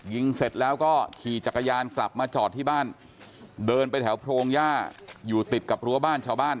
เสร็จแล้วก็ขี่จักรยานกลับมาจอดที่บ้านเดินไปแถวโพรงย่าอยู่ติดกับรั้วบ้านชาวบ้าน